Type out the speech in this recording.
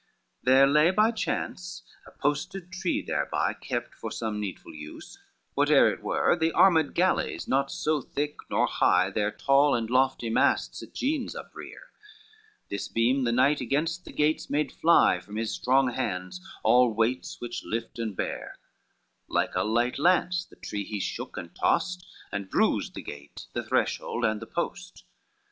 XXXVI There lay by chance a posted tree thereby, Kept for some needful use, whate'er it were, The armed galleys not so thick nor high Their tall and lofty masts at Genes uprear; This beam the knight against the gates made fly From his strong hands all weights which lift and bear, Like a light lance that tree he shook and tossed, And bruised the gate, the threshold and the post.